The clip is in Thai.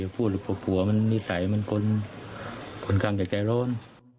ผัวมันนิสัยมันค่อนข้างจะใจร้อน